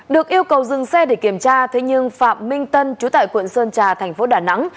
được yêu cầu dừng xe để kiểm tra thế nhưng phạm minh tân chú tại quận sơn trà thành phố đà nẵng